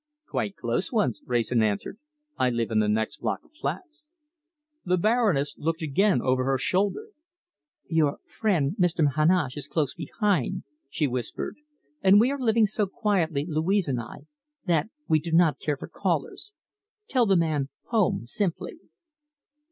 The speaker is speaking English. "Quite close ones," Wrayson answered. "I live in the next block of flats." The Baroness looked again over her shoulder. "Your friend, Mr. Heneage, is close behind," she whispered, "and we are living so quietly, Louise and I, that we do not care for callers. Tell the man 'home' simply."